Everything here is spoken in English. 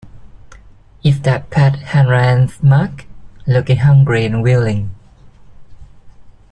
Is that Pat Hanrahan's mug looking hungry and willing.